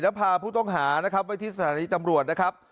แล้วพาผู้ต้องหานะครับไว้ที่สถานีตำรวจนะครับ